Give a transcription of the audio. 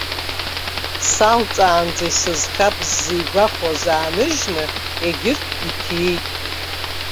Салҵаанӡа исызхап ззигәахәуаз ааныжьны, егьырҭ иҭиит.